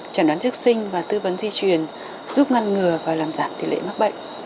chẳng đoán chức sinh và tư vấn di truyền giúp ngăn ngừa và làm giảm tỷ lệ mắc bệnh